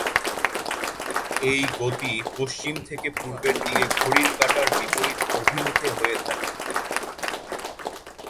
এই গতি পশ্চিম থেকে পূর্বের দিকে ঘড়ির কাঁটার বিপরীত অভিমুখে হয়ে থাকে।